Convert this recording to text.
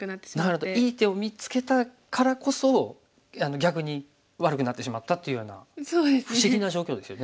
なるほどいい手を見つけたからこそ逆に悪くなってしまったっていうような不思議な状況ですよね。